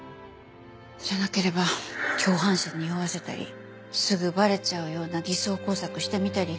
じゃなければ共犯者におわせたりすぐバレちゃうような偽装工作してみたり。